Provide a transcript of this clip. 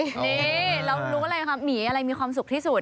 นี่เรารู้อะไรครับหมีอะไรมีความสุขที่สุด